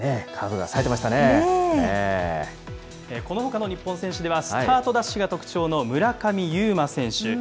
このほかの日本選手では、スタートダッシュが特長の村上右磨選手。